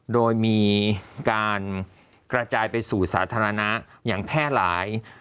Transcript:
โดยมีการกระจายไปสู่สาธารณะอย่างแพร่หลาย